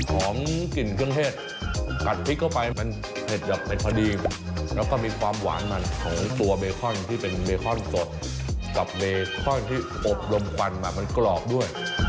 ของกลิ่นเครื่องเทศกัดพริกเข้าไปมันเผ็ดแบบไปพอดีแล้วก็มีความหวานมันของตัวเบคอนที่เป็นเบคอนสดกับเบคอนที่อบรมควันมามันกรอบด้วย